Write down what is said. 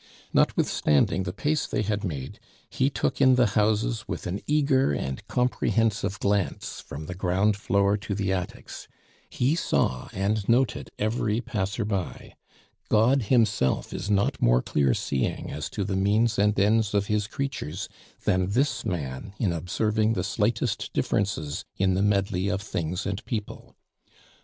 Notwithstanding the pace they had made, he took in the houses with an eager and comprehensive glance from the ground floor to the attics. He saw and noted every passer by. God Himself is not more clear seeing as to the means and ends of His creatures than this man in observing the slightest differences in the medley of things and people.